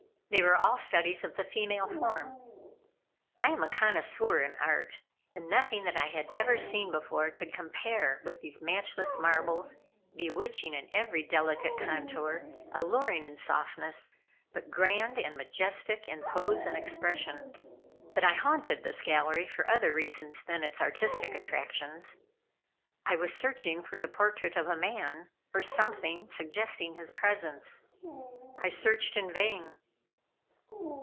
They were all studies of the female form. I am a connoisseur in art, and nothing that I had ever seen before could compare with these matchless marbles, bewitching in every delicate contour, alluring in softness, but grand and majestic in pose and expression. But I haunted this gallery for other reasons than its artistic attractions. I was searching for the portrait of a man, or something suggesting his presence. I searched in vain.